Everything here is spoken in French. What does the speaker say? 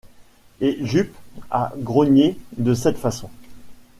Et Jup à grogner de cette façon?